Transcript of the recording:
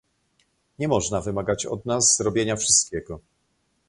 Nie można wymagać od nas zrobienia wszystkiego